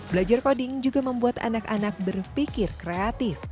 belajar coding juga membuat anak anak berpikir kreatif